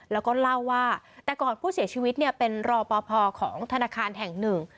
แล้วก็เล่าว่าแต่ก่อนผู้เสียชีวิตเนี่ยเป็นรอปภของธนาคารแห่งหนึ่ง